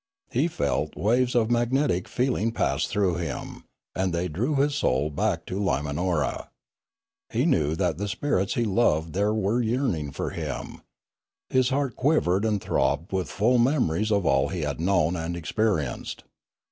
He felt waves of magnetic feeling pass through him, and they drew his soul back to Limanora. He knew that the spirits he loved there were yearning for him. For his heart quivered and throbbed with full memories of all he had known and experienced.